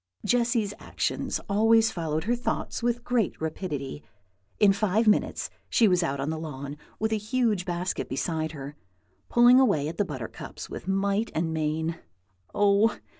Jessy's actions always followed her thoughts with great rapidity. In five minutes she was out on the lawn, with a huge basket beside her, pulling away at the buttercups with might and main. Oh!